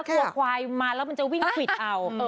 กลัวควายมาแล้วมันจะวิ่งควิดเอา